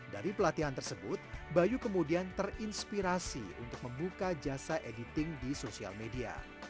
dari pelatihan tersebut bayu kemudian terinspirasi untuk membuka jasa editing di sosial media